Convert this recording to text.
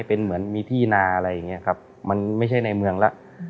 เป็นเหมือนมีที่นาอะไรอย่างนี้ครับมันไม่ใช่ในเมืองแล้ว